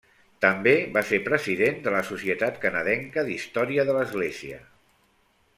També va ser President de la Societat Canadenca d'Història de l'Església.